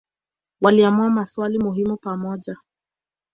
Waliamua maswali muhimu pamoja.